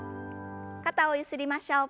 肩をゆすりましょう。